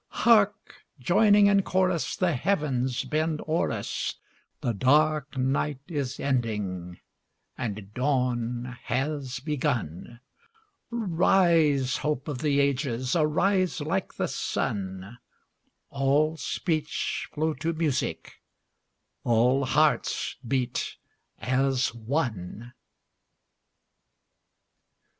Hark! joining in chorus The heavens bend o'er us' The dark night is ending and dawn has begun; Rise, hope of the ages, arise like the sun, All speech flow to music, all hearts beat as one!